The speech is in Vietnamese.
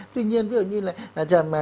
tuy nhiên ví dụ như là